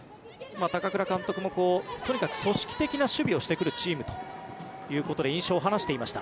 高倉監督もとにかく組織的な守備をしてくるチームということで印象を話していました。